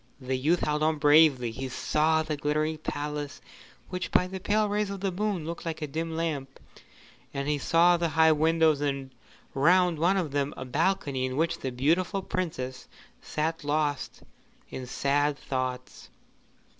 The youth held on bravely. He saw the glittering palace, which by the pale rays of the moon looked like a dim lamp; and he saw the high windows, and round one of them a balcony in which the beautiful Princess sat lost in sad thoughts.